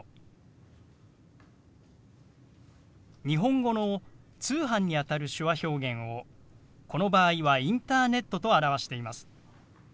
日本語の「通販」にあたる手話表現をこの場合は「インターネット」と表しています。